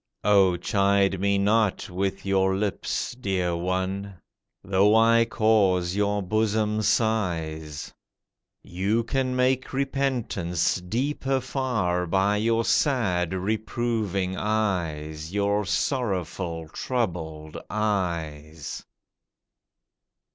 O chide me not with your lips, dear one! Though I cause your bosom sighs. You can make repentance deeper far By your sad, reproving eyes, Your sorrowful, troubled eyes.